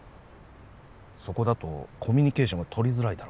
そこだとコミュニケーションが取りづらいだろ。